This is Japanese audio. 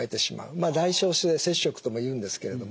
まあ代償性摂食とも言うんですけれども。